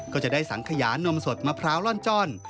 ก็จะได้สังขยานมสดมะพร้าวล่อนจ้อน